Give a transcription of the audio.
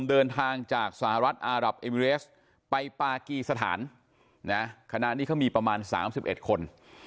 เดินทางจากสหรัฐอารับเอมิเรสไปปากีสถานนะคณะนี้เขามีประมาณ๓๑คน